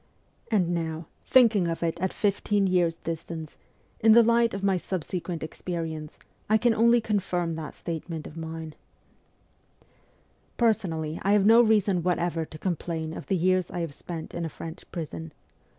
And now, thinking of it at fifteen years' distance, in the light of my subsequent experience, I can only confirm that statement of mine. WESTERN EUROPE 283 Personally I have no reason whatever to complain of the years I have spent in a French prison.